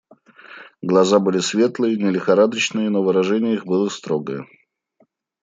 Глаза были светлые, не лихорадочные, но выражение их было строгое.